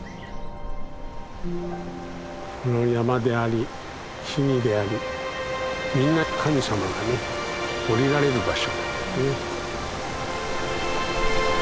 この山であり木々でありみんな神様がね降りられる場所なんだよね。